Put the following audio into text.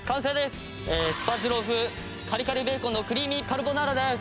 すぱじろう風カリカリベーコンのクリーミーカルボナーラです。